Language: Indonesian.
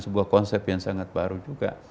dan sebuah konsep yang sangat baru juga